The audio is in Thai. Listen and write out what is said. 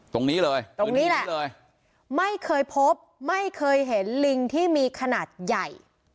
ตรงนี้เลยตรงนี้แหละไม่เคยพบไม่เคยเห็นลิงที่มีขนาดใหญ่